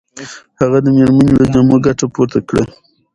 هغه د مېرمنې له جامو ګټه پورته کړه.